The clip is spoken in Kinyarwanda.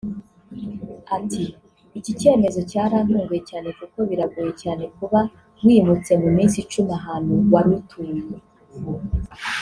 Ati “Icyi cyemezo cyarantunguye cyane kuko biragoye cyane kuba wimutse mu minsi icumi ahantu wari utuye